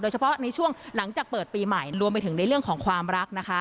เฉพาะในช่วงหลังจากเปิดปีใหม่รวมไปถึงในเรื่องของความรักนะคะ